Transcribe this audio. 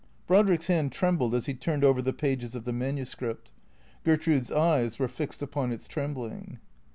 Brodrick's hand trembled as he turned over the pages of the manuscript. Gertrude's eyes were fixed upon its trembling.